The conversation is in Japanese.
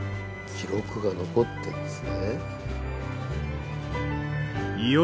記録が残ってるんですね。